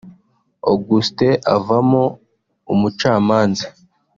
Augustin avamo umucamanza